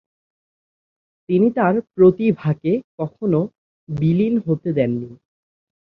তিনি তার প্রতিভাকে কখনো বিলীন হতে দেননি।